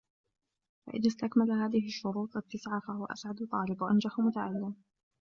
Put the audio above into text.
فَإِذَا اسْتَكْمَلَ هَذِهِ الشُّرُوطَ التِّسْعَةَ فَهُوَ أَسْعَدُ طَالِبٍ ، وَأَنْجَحُ مُتَعَلِّمٍ